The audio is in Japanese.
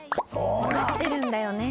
わかってるんだよね。